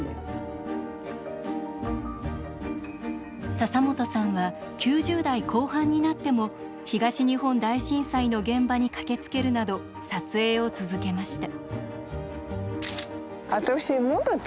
笹本さんは９０代後半になっても東日本大震災の現場に駆けつけるなど撮影を続けました。